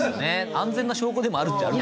安全な証拠でもあるっちゃある。